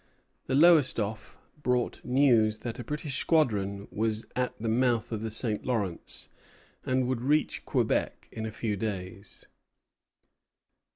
The "Lowestoffe" brought news that a British squadron was at the mouth of the St. Lawrence, and would reach Quebec in a few days.